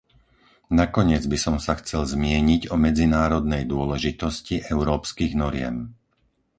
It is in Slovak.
Nakoniec by som sa chcel zmieniť o medzinárodnej dôležitosti európskych noriem.